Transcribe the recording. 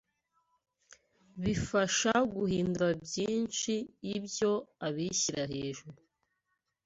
bibasha guhindura byinshi ibyo abishyira hejuru